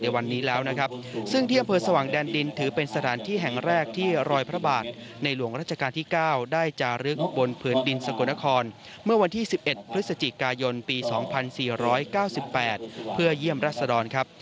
วันนี้แล้วนะครับซึ่งที่อำเภอสว่างแดนดินถือเป็นสถานที่แห่งแรกที่รอยพระบาทในหลวงราชการที่๙ได้จารึกบนพื้นดินสกลนครเมื่อวันที่๑๑พฤศจิกายนปี๒๔๙๘เพื่อเยี่ยมรัศดรครับ